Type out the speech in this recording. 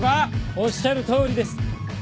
おっしゃるとおりです。